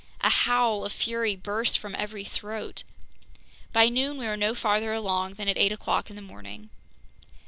A howl of fury burst from every throat! By noon we were no farther along than at eight o'clock in the morning.